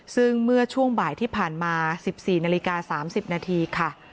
ซึ่งเมื่อช่วงบ่ายที่ผ่านมา๑๔นาฬิกา๓๐นาทีค่ะ